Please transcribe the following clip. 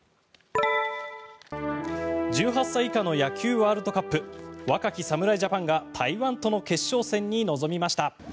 １８歳以下の野球ワールドカップ若き侍ジャパンが台湾との決勝戦に臨みました。